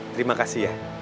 terima kasih ian